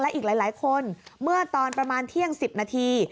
อีกหลายคนเมื่อตอนประมาณเที่ยง๑๐นาที